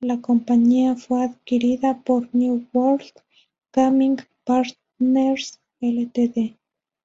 La compañía fue adquirida por New World Gaming Partners Ltd.